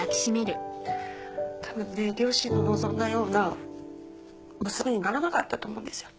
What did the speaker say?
たぶんね両親の望んだような娘にならなかったと思うんですよ。